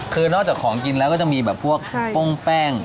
คือนอกจากของกินแล้วก็จะมีแบบพวกโป้งแป้ง